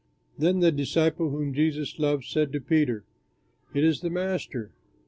Then the disciple whom Jesus loved said to Peter, "It is the Master."